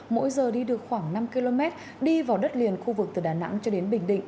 mỗi giờ đi được khoảng năm km đi vào đất liền khu vực từ đà nẵng cho đến bình định